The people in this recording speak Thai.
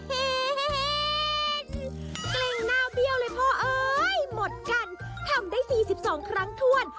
เกรงหน้าเบี้ยวเลยพ่อเอ้ยหมดกันทำได้สี่สิบสองครั้งถ้วน